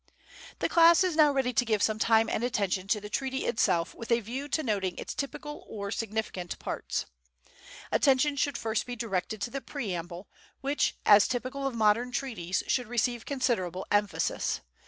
The class is now ready to give some time and attention to the treaty itself with a view to noting its typical or significant parts. Attention should first be directed to the preamble, which, as typical of modern treaties, should receive considerable emphasis.